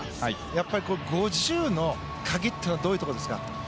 やっぱり５０ｍの鍵っていうのはどういうところですか？